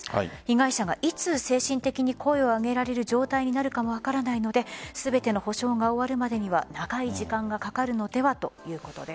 被害者がいつ精神的に声を上げられる状態になるか分からないので全ての補償が終わるまでには長い時間がかかるのではということです。